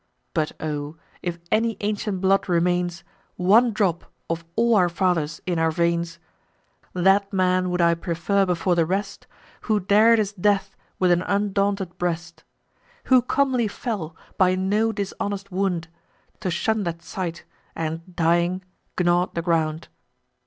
But, O! if any ancient blood remains, One drop of all our fathers', in our veins, That man would I prefer before the rest, Who dar'd his death with an undaunted breast; Who comely fell, by no dishonest wound, To shun that sight, and, dying, gnaw'd the ground.